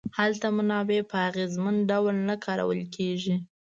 هلته منابع په اغېزمن ډول نه کارول کیږي.